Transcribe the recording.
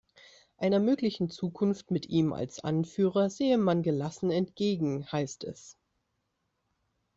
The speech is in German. Einer möglichen Zukunft mit ihm als Anführer sehe man gelassen entgegen, heißt es.